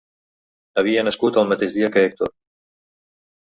Havia nascut el mateix dia que Hèctor.